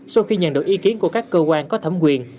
sau khi nhận được ý kiến của các cơ quan có thẩm quyền